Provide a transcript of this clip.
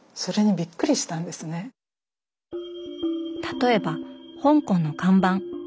例えば香港の看板。